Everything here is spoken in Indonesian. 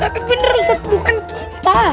tapi bener ustadz bukan kita